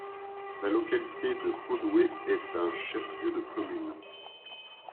La localité de Podoué est un chef-lieu de commune.